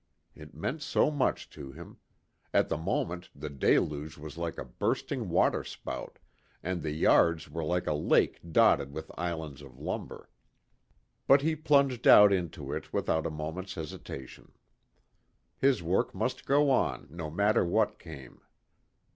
It meant so much to him. At the moment the deluge was like a bursting waterspout, and the yards were like a lake dotted with islands of lumber. But he plunged out into it without a moment's hesitation. His work must go on, no matter what came.